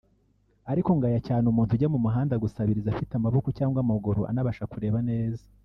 ariko ngaya cyane umuntu ujya mu muhanda gusabiriza afite amaboko cyangwa amaguru anabasha kureba neza